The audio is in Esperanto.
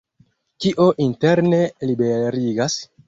Kio interne liberigas?